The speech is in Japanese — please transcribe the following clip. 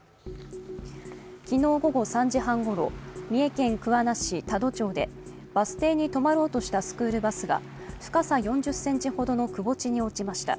昨日午後３時半ごろ、三重県桑名市多度町でバス停に止まろうとしたスクールバスが深さ４０ｃｍほどのくぼ地に落ちました。